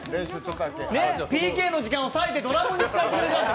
ＰＫの時間を割いて、ドラムに使ってくれたので。